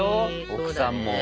奥さんも。